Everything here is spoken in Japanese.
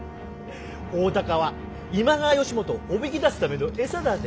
大高は今川義元をおびき出すための餌だて。